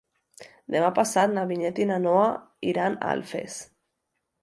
Demà passat na Vinyet i na Noa iran a Alfés.